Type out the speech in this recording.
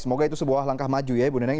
semoga itu sebuah langkah maju ya ibu neneng